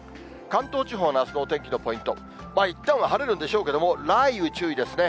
関東地方のあすのお天気のポイント、いったんは晴れるでしょうけれども、雷雨注意ですね。